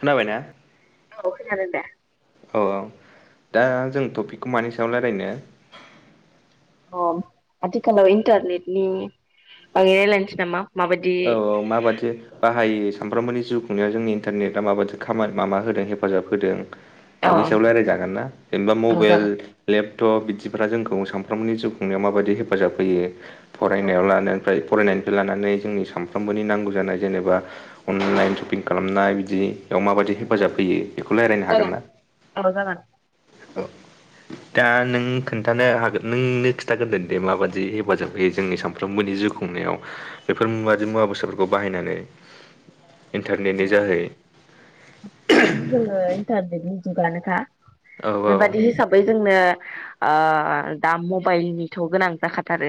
खोनाबायना। औ खोनादोंदा। औ औ दा जों टपिकखौ मानि सायाव रायलायनो। आथिखालाव इन्टारनेटनि बागै रायलायसै नामा। माबायदि औ औ मा बायदि बाहायो? सानफ्रामबोनि जिउ खुंनायाव जोंनि इन्टारनेटआ माबायदि खामानि माबा हेफाजाब होदों। औ बिनि सायाव सावराय जागोनना जेनेबा औ मबाइल, जागोन लेप थ' बिदिफ्रा जोंखौ सानफ्रोमबोनि जिउ खुंनायाव माबायदि हेफाजाब होयो। औ फरायनायाव लानो ओमफ्राय फरायनायनि लानानै जोंनि सानफ्रामबोनि नांगौ जानाय जेनेबा अनलाइन सपिं खालामनाय बिदि बेयाव माबायदि हेफाजाब जागोन होयो बेखौ रायज्लायनो हागोनना। औ जागोन औ दा नों खोन्थानो हागोन नोंनो खिन्थाग्रोदो दे मा बायदि हेफाजाब होयो जोंनि सानफ्रोमबोनि जिउ खुंनायाव बेफोर मुवा। मुवा बेसथादफोरखौ बाहायनानै औ इन्टारनेटनि जोहै आथिखालाथ' जों इन्टानेटनि जुगानोखा। औ बेबादि हिसाबै जोंनो दा मबाइलनिथ' गोनां जाखाथारो।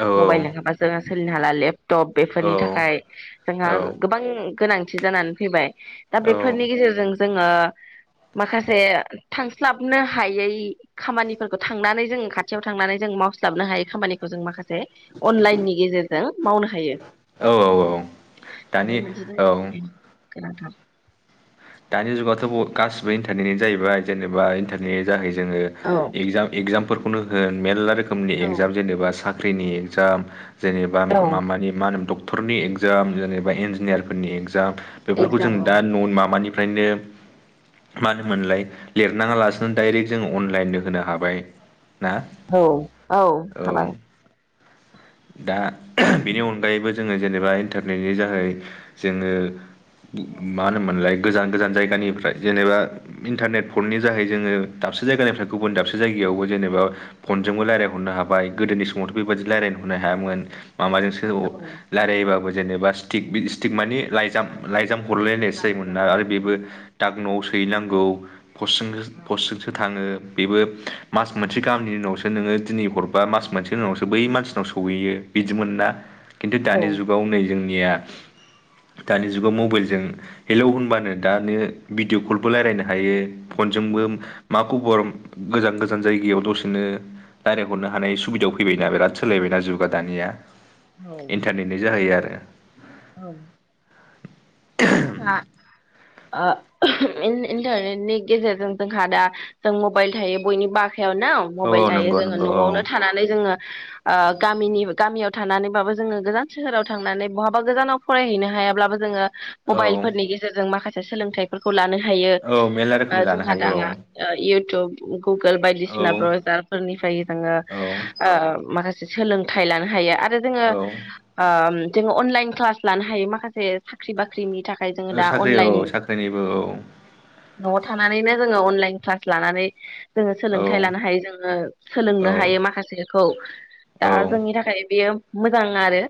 औ मबाइल लङाबास जो सोलिनो हा ले टप औ बेफोरनि थाखाय जोंहा औ गोबां गोनांथि जानानै फैबाय दा बेफोरनि गेजेरजों जोङो माखासे थांस्लाबनो हायै खामानिफोरखौ थांनानै जोङ खाथियाव थांनानै जों मावस्लाबनो हायै खामानिखौ जों माखासे जेअनलाइननि गेजेरजों मावनो हायो औ औ औ दा बे दानि मोनसे [unintelligible] गोनां थार दानि जुगावथ' गासिबो इन्टारनेटनि जाहैबाय जेनेबा इन्टारनेट जाहै जोङो औ एगजाम एगजाम फोर खौनो होन मेरला रोख खोमनि एगजाम जेनबा साग ख्रिनि एगजाम जेनेबा औ मामानि मा होनोमोन ड टरनि इगजाम जेनबा इन्जिनियारफोरनि एक्ज जाम बेफोरखौ जों एगजामाव दा न' माबानि फ्रायनो माहोनोमोनलाय लिरनाङा लासिनो दायरेक जों अनलाइननो होनो हाबाय। ना औ औ हाबाय। दा बेनि अनगायैबो जोङो जेनेबा इन्टारनेटनि जोहै जोङो मा होनोमोनलाय गोजान गोजान जायगानिफ्राय जेनेबा इन्टारनेट फननि जाहै जोङो दाबसे जायगानिफ्राय गुबुन दाबसे जायगायावबो जेनेबा फनजोंबो रायजलायहरनो हाबाय गोदोनि समावथ' बे बायदि थ' रायलायहरनो हायामोन। मामाजोंसो अ' लारायबाबो जेनेबा सिथिक बि सिथिक माने लाइजाम लाय जाम औ हरलायनायसो जोयोमोन। ना आरो बेबो दाग न'आव सोहैनांगौ। पसजोंनो पसजोंसो थाङो। बेबो मास मोनसे गाहामनि उनावसो नोङो दिनै हरबा मास मोनसेनि उनावसो बै मानसिनाव सहैयो बिदिमोन ना? खिन्थु दानि औ जुगाव नै जों गैया दानि जुगाव मबेलजों हेलौ होनबानो दानो भिडिअ' कलबो लायरायनो हायो। फनजोंबो औ मा खबर गोजान गोजान जायगायाव दसेनो लायराय हरनो हानाय सुबिदायाव फैबायना बिराद सोलायबायना जुगा दानिया? इन्टारनेटनि जाहैयो आरो। ओ औ [unintelligible] हा आ इन-इन्टारनेटनि गेजेरजों जोंहा दा जों मबाइल थायो बयनि बाख खायावनाव औ मबाइल औ थायो नंगौ जोंङो नंगौ औ नआवनो थानानै जोंङो ओ गामिनिबो गामियाव थानानैबाबो जोंङो गोजान सोहोराव थांनानै बहाबा गोजानाव फरायहैनो हायाब्लाबो जोंङो औ मबाइल फोरनि गेजेरजों माखास सो-सोलोंथाइफोरखौ लानो हायो औ मेरला रोखोमनि ओ लानो जोंहा हायो दाना औ ओ इउथ [unintelligible] गुगोल बायदिसिना ब्रजार फोरनिफ्राय जोंङो औ माखासे सोलोंथाइ लानो हायो आर। जोंङो औ ओम जों अनलाइन क्लास लानो हायो माखासे साख्रि बाख। ख्रिनि थाख साख्रि औ साख्रिनिबो औ। नआव थानानैनो जोंङो अनलाइन क्लास लानानै। जोंङो सोलोंथाइ लानो औ हायो जोंङो सोलोंनो हायो औ माखासेखौ औ दा जोंनि थाखाय बेयो। मोजां आरो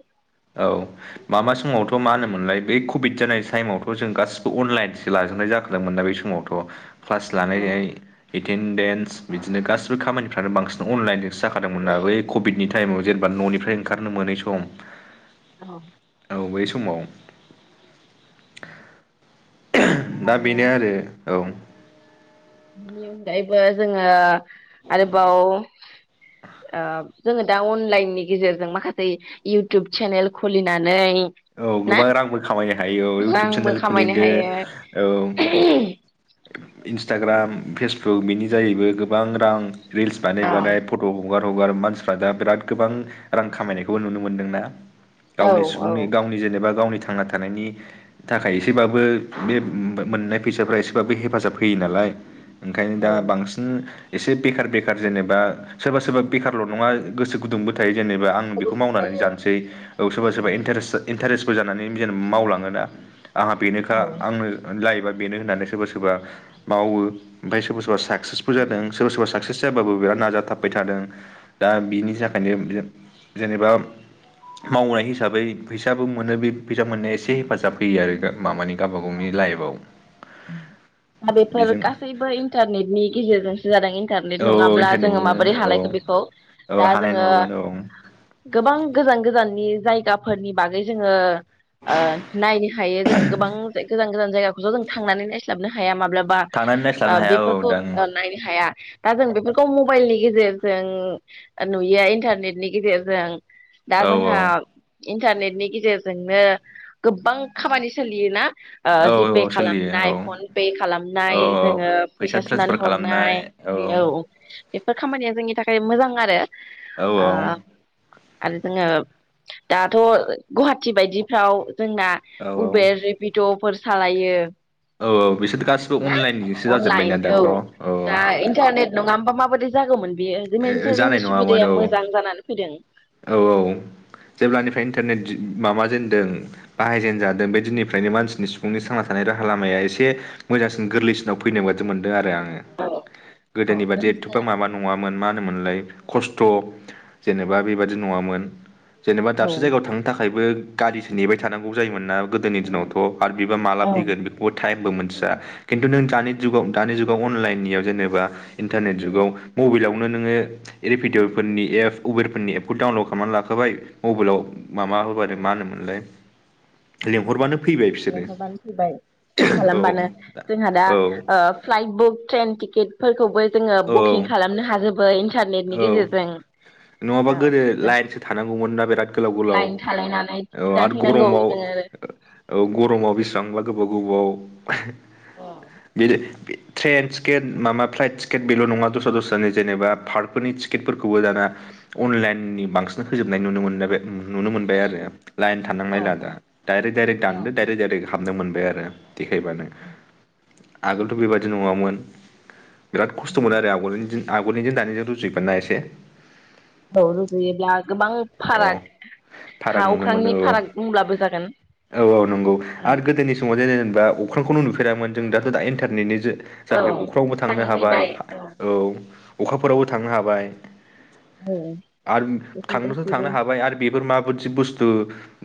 मोनय बै कभिड जानाय टाइमावथ जों गासिबो अनलाइनसो लाजोबनाय जाखादोंमोन ना बे समावथ। क्लास औ लानाय टेनडेन्स बिदिनो गासिबो खामानिफ्रानो बांसिन अनलाइनजोंसो जाखादोंमोन ना बै कभिडनि टाइमाव जेनेबा ननिफ्राय ओंखारनो मोनै सम। औ औ बै समाव दा बेनो आरो औ बिनि अनगायैबो जोंङो आरोबाव ओब-जोंङो दा अनलाइननि गेजेरजों माखासे इउटुब चेनेल खुलिनानै। औ ना गोबां रांबो खामायनो हायो औ इउटुब रांबो चेनेल खामायनो खुलिदो हायो औ। इन्सटाग्राम फेसबुक बेनि जायैबो गोबां रां। रिल्स बानाय औ बानाय फट ह। हगार हगार मानसिफ्रा दा बिराद गोबां रां खामायनायखौबो नुनो मोनदोंना। औ औ जेनेबा गावनि थांना थानायनि थाखाय एसेबाबो बे मोननाय फैसाफ्रा एसेबाबो हेफाजाब होयो नालाय। ओंखायनो दा औ बांसिन एसे बेखार बेखार जेनेबा सोरबा सोरबा बेखारल नङा गोसो गुदुंबो थायो। जेनेबा आं बेखौ मावनानै जानोसै औ सोरबा सोरबा इन्टारेस्ट। इन्टारेस्टबो जानानै जेनेबा मावलाङोना। आंहा बेनोखा आंनो लायिबा। बेनो होननानै सोरबा सोरबा मावो ओमफाय सोरबा सोरबा सा। साक्सेसफुल जादों सोरबा सोरबा साक्सेस। जाबाबो बिराद नाजाथाबबाय थादों। दा बिनि जाखायनो बियो। जेनेबा मावनाय हिसाबै। फैसाबो मोनो बे। फैसा मोननो एसे हेफाजाब होयो आरो एखो। मामानि औ दा बेफोर बेजों गासैबो इन्टारनेटनि गेजेरजोंसो जादों इन्ट इन्टारनेट औ नङाब्ला जोङो इन्टारनेटनो माबोरै हालायखो औ बेखौ औ दा हानाय जोङो नङामोन औव गोबां गोजान गोजाननि जायग साफोरनि बागै जोङो ओ- नायनो हायो जों गोबां। गोजान गोजान जायगाखौ जों थांनानै नायस्लाबनो हाया माब ब्लाबा थांनानै नायस्लाबनो हाया औ ओ-बेफोरखौ दां ओ- औ नायनो हाया। दा जों बेफोरखौ मबाइलनि गेजेरजों ओ- नुयैया इन्टारनेटनि गेजेरजों। दा जोंहा। औ इन्टारनेटनि गेजेरजोंनो गोबां खामानि सोलियोना? औ ओ-जिपे औ सोलियो औ खालामनाय फनपे औ खालामनाय जोङो फैसा ट्रेन्सफार सोनानै खालामनाय हरनाय औ बेफोर खामानिया जोंनि थाखाय मोजां। आरो औ ओ औ आरो जोङो दाथ' ओ- गुवाहाटि बायदिफ्राव जोंना औ उबे रिब थ'फोर सालायो। औ औ बिसोर गासिबो अनलाइनजोंसो जाजोबबायना दाथ' औ। बोरै जागौमोन? बेयो जे मोनसे ओ- जोंनि जानाय नङामोन सुबिदाया औ मोजां जानानै फैदों। औ औ जेब्लानिफ्रायनो। इन्टारनेट जे माबा जे होन्दों बाहायजेनजादों बे दिननिफ्रायनो मानसिनि सुबुंनि थांना थानाय राहा लामाया एसे मोजांसिन गोरलैसिनाव फैनाय बादि मोनदों आरो आं। ओ- गोदोनि बादि एथ'फां माबा नङा? मा होनोमोनलाय खस्थ' जेनेबा बेबादि नङामोन । जेनेबा दाबसे जायगायाव थांनो थाखायबो गारिसो नेबाय थानांगौ जायोमोन ना? गोदोनि दिनावथ' आर बिबा माला औ फैगोन बेखौबो टाइमबो मोनथिया खिन्थु नों दानि जुगाव दानि जुगाव अनलाइन नियाव जेनेबा इन्टारनेट जुगाव बेयावनो नोङो रिपिडय'फोरनि एप - उबेरफोरनि एपखौ डाउनलड खालामनानै लाखाबाय मबाइलाव। माबा औ होबानो मा होनोमोनलाय लिंहरबानो फैबाय बिसोरो लेंहरबानो फैबाय बुक औ खालामबानो जोंहा दा औ ओ-फ्लाइट बुक ट्रेन टिकेट फोरखौबो जोङो बुकिं औ खालामनो हाजोबो इन्टारनेटनि औ गेजेरजों नङाबा औ गोदो जों लाइनसो थानांगौमोन ना बिराद गोलाव गोलाव लाइन थालायनानै औ आरो दानहैनांगौ गरमाव जोङो। औ गरमाव बेसेबांबा गोबाव गोबाव [unintelligible] ट्रेन टिकेट मामा फ्लाइट टिक [unintelligible] बेल' नङा दस्रा दस्रानि जेनेबा पार्कफोरनि टिकेटफोरखौबो दाना अनलाइननि बांसिन होजोबनाय नुनो मोनोना बे नुनो मोनबाय आरो लाइन थांनायला दा डाइरेक डाइरेक दानदो डाइरेक डाइरेक। हाबनो मोनबाय आरो। देखायबानो आगोलथ' बेबादि नङामोन। बिराद खस्थ' मोनो आरो आवगोलनि दिन आगोलनिजों दानिजों रुजुयोबा ना एसे। औ रुजुयोब्ला गोबां औ फाराग फाराग हा नुनो मोनो अख्रांनि औ फाराग बुंब्लाबो जागोन औ। बा अख्रांखौनो नुफेरामोन जों दाथ' दा इन्टारनेटनि जो औ जाहै अख्रांआवबो अख्रां थांनो हाब बाय औ। अखाफोरावबो थांनो हाबाय। औ आरो बेफोर थांनोथ' गासैबो थांनो हाबाय आरो बेफोर माब माबायदि बुस्थु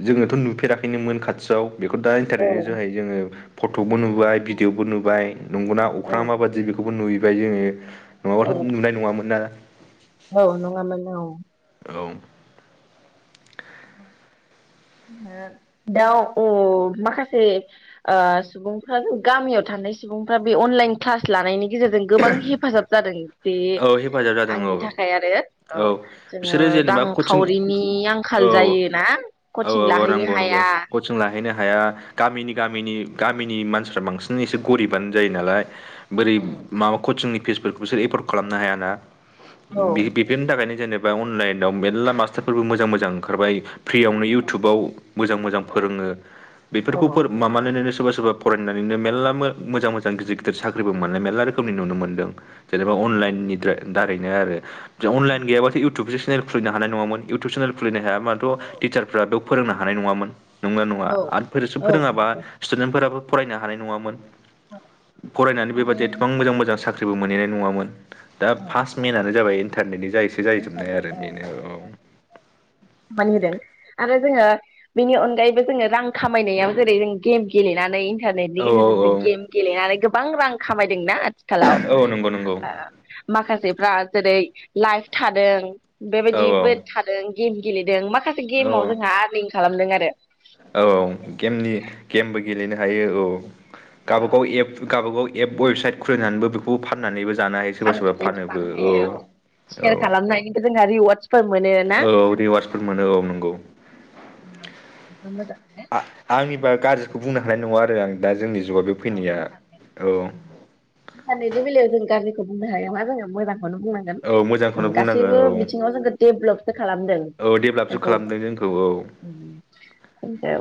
जोङोथ' नुफेराखैनोमोन खाथियाव। बेखौ दा औ इन्टारनेटनि जोहोय जोङो फट'बो नुबाय भिडिअ'बो नुबाय नंगौना औ अख्रांया माबादि बेखौबो नुयो। ओमफ्राय जोङो नङाबाथ' नुनाय नङामोन ना औ नंङामोन औ औ दा अ माखासे ओ सुबुंफ्रा गामियाव थानाय सुबुंफ्रा बे अनलाइन क्लास लानायनि गेजेरजों गोबां हेफाजाब जादों। बे औ हेफाजाब जादों औ आंनि थाखाय आरो औ जोङो बिसोरो जेनेबा कचिं रांखावरिनि आं आखाल औ जायोना कचिं लाहैनो हाया हैनो हाया गामिनि-गामिनि-गामिनि मानसिफ्रा बांसिन एसे गरिबानो जायो नालाय बोरै माबा कचिंनि फिसफोरखौ [unintelligible] खालामनो हायाना। औ बे बेफोरनि थाखायनो जेनेबा अनलाइनाव मेरला मास्टारफोरबो मोजां-मोजां ओंखारबाय। फ्रियावनो इउटुबाव मोजां-मोजां फोरोङो। बेफोरखौ [unintelligible] सोरबा-सोरबा फरायनानैनो मेरला मोजां-मोजां गिदिर- गिदिर साख्रिबो मोननाय मेरला रोखोमनि नुनो मोनदों जेन। अनलाइननिद्राय दारैनो आरो। जीं अनलाइन गीयाबाथ' इउटुब चेनेल खुलिनो हानाय नङामोन इउटुब चेनेल खुलिनो हाया होमबाथ' टिचारफ्रा फोरोंनो हानाय नङामोन। नंना-नङा आरो बिसीरसो फोरोङाबा स्टुडेन्टफोराबो फरायनो हानाय नङामोन। फरायनानै बेबादि एसेबां मोजां-मोजां साख्रि जेबो मोनहैनाय नङामोन। दा फार्स्ट मेनानो जाबाय [unintelligible] [inaudible] जाहैजोबनाय खामानि आरो बेनो औ होदों आरो जोङो बेनि अनगायैबो जोङो रां खामायनायाव जेरै जों गेम गेलेनानै इन्टारनेटनि औ गेजेरजों जों गेम गेलेनानै गोबां रां खामायदोंना आथिखालाव औ औ नंगौ नंगौ आ औ माखासे जेरै लाइफ थादों। औ बेबायदिबो थादों। गेम गेलेदों म माखासे औ गेमाव जोंहा आर्निं खालामदों आरो। [inaudible] औ औ गेमनि गेमबो गेलेनो हायो औ गावबा गाव एप गावबा गाव एप वेबसाइट खुलिनानैबो बेखौ फाननानैबो जानो हायो सोरबा सोरबा फाननानै फानोबो लानो हायो औ सेयार औ खालामनायनिबो जोंहा रिवार्डसफोर मोनो ना औ रिवार्सफोर मोनो औ नंगौ जोबोद मोजां आ-आंनिबा गाज्रिखौ बुंनो हानाय नङा आरो आं दा जोंनि जुगाव बे औ फैनाया इन्टारनेट औ इन्टारनेटनि बेलायाव जों गाज्रि बुंनो हाया मा जोङो मोजां खौनो बुंनांगोन औ ओं मोजांखौनो बुंनांगोन गासैबो औ बिथिङाव जोंखौ देभ्लपसो खालामदों औ डेभेलपसो जोंखौ खालामदों जोंखौ औ ओम नोंगौ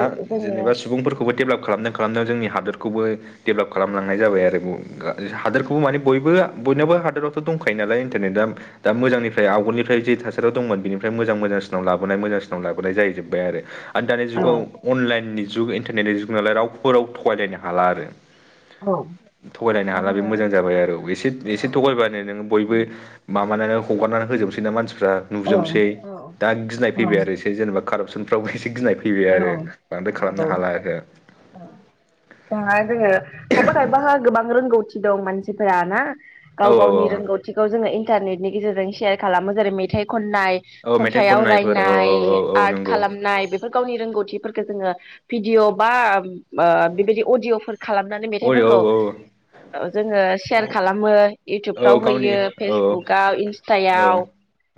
मा जेनेबा सुबुंफोरखौबो डेभालप खालामनाया खालामदों जोंनि होरखौबो डेभेलप खालामलांनाय जाबाय आरो ओम हा-हादोरखौबो माने बे बयनाबो हादोरावथ' दंखायो नालाय इन्टारनेट दा मोजांनिफ्राय आगोलनिफ्राय जे थासारियाव दंमोन बेनिफ्राय मोजां मोजांसिनाव लाबोनाय मोजांसिनाव लाबोनाय जाहैजोबबाय आरो। औ अनलाइन नि जुग इन्टारनेटनि जुग नालाय रावबो राव थगायलायनो हाला आरो। थगायलायनो हाला बे मोजां जाबाय आरो एसे एसे थगायबानो नोङो बयबो माबानानै हगारनानै होजोबसै ना मानसि फ्रा नुजोबनोसै दा गिनाय फैबाय आरो एसे जेनेबा कारापसनाव एसे गिनाय फैबाय आरो बांद्राय खालामनो हाला आरो दा जोङो खायफा खायफाहा गोबां रो रोंगौथि दं मानसिफोरा ना औ गाव औ गावनि औ रोंगौथिखौ जोङो इन्टारनेटनि गेजेरजों सेयार खालामो जेरै मेथाइखौ खननाय, औ मेथाइ खन्थाइयाव खननायफोर औ औ रावरायनाय, औ औ आर्ट नंगौ खालामनाय बेफोर गावनि रोंगौथिफोर खौ जोङो भिडिअ' बा ओम मा बेबादि अडिअ फोर खालामनानै औ औ मेथाइफोरखौ ओ जोङो औ सेयार खालामो। औ इउटुबफ्राव गावनि होयो औ फेसबुकाव औ इन्सटायाव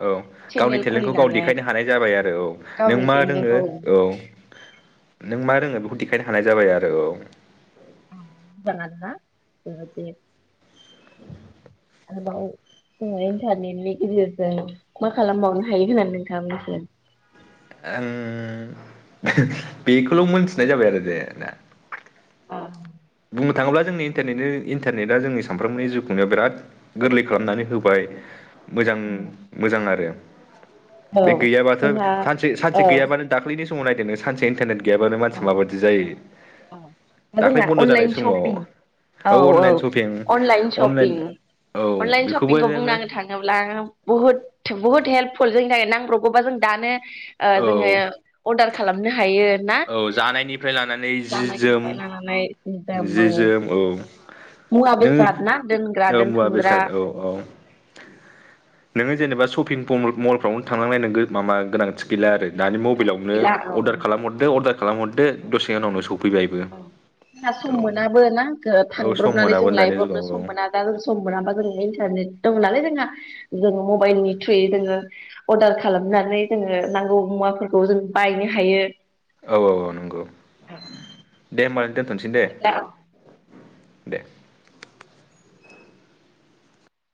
औ गावनि चेनेल टेलेन्टखौ गाव खुलिनानै देखायनो हानाय जाबाय आरो औ नों गावनि मा रोङो टेलेन्टखौ औ नों मा रोङो बेखौ देखायनो हानाय जाबाय आरो औ ओम मोजाङानो ना। बेबायदि आरोबाव जों इन्टारनेटनि गेजेरजों मा खालामबावनो हायो होननानै नोंथाङा मोनथियो? ओम बेखौल' मोनथिनाय जाबाय आरो दे ना अ बुंनो थाङोब्ला जोंनिटनेनि इन्टारनेटआ जोंनि सानफ्रोमबोनि जिउखुंनायाव बिराद गोरलै खालामनानै होबाय मोजां मोजां आरो बे गैयाबाथ' जोंहा सानसे औ सानसे गैयाबानो दाख्लैनि समाव नायदो नों सानसे इन्टारनेट गैयाबानो मानसिया माबायदि जायो। दा दाख्लै जोंहा बन्द' जानाय अनलाइन समाव शपिं औ अनलाइन औ शपिं अनलाइन शपिं औ अनलाइन बेखौबो शपिंखौ नोङो बुंनांनो थाङोब्ला बहुद बहुद हे हेल्पफु जोंनि थाखाय नांब्रगौबा जों दानो ओ औ जोङो अरडार खालामनो हायो ना औ जानायनिफ्राय लानानै जि जोम [unintelligible] औ जि जोम औ मुवा नों बेसाद ना दोनग्रा औ मुवा दोनथुमग्रा बेसाद औ औ नोङो जेनेबा शफपिं मलफ्रावनो थांनांनाय नो माबा गोनांथि गैला आरो। दानि गोनांथि मबाइलावनो गैला औ अर्डार खालाम हरदो अर्डार खालाम हरदो दसे उनावनो सौै जोंहा सम मोनाबोना औ सम थांब्रबनानै जों मोनाबानो दानि लायब्रबनो जुगाव औ सम मोना दा जों सम मोनाबा जों इन्टारनेट दं नालाय जों जों जोङो मबाइलनि थ्रुयै जोङो अर्डार खालामनानै जोङो नांगौ मुवाफोरखौ जों बायनो हायो। औ औ औ नंगौ देमान दोनथ'सै दे दा दे